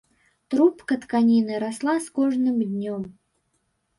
Трубка тканіны расла з кожным днём.